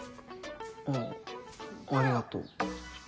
あぁありがとう。